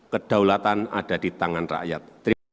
kedaulatan ada di tangan rakyat